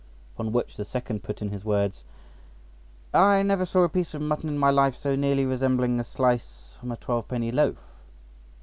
Upon which the second put in his word. "I never saw a piece of mutton in my life so nearly resembling a slice from a twelve penny loaf."